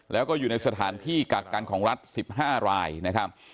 แล้วก็อยู่ในสถานที่กักกันของรัฐ๑๕รายนะครับ